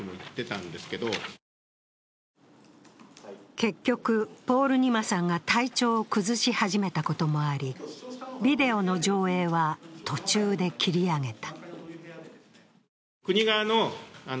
結局、ポールニマさんが体調を崩し始めたこともあり、ビデオの上映は途中で切り上げた。